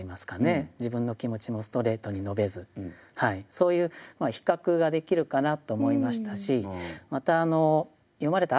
そういう比較ができるかなと思いましたしまた詠まれた赤ちゃんですね